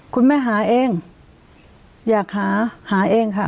คุณแม่หาเองอยากหาหาเองค่ะ